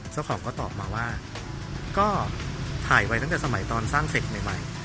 เจ้าของก็ตอบมาว่าก็ถ่ายไว้ตั้งแต่สมัยตอนสร้างเสร็จใหม่